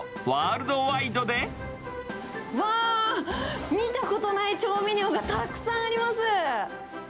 うわー、見たことない調味料がたくさんあります。